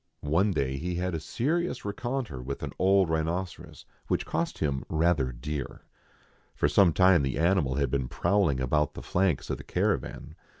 One day he had a serious rencontre with an old rhino ceros, which cost him " rather dear." For some time the animal had been prowling about the flanks of the caravan.